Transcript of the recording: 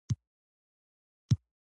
ایا د ډیر غوړ خوړل روغتیا ته زیان لري